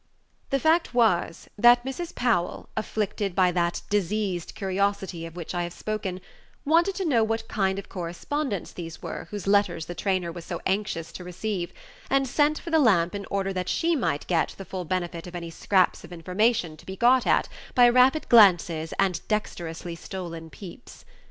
The fact was, that Mrs. Powell, afflicted by that diseased curiosity of which I have spoken, wanted to know what kind of correspondents these were whose letters the trainer was so anxious to receive, and sent for the lamp in order that she might get the full benefit of any scraps of information to be got at by rapid glances and dexterously stolen peeps.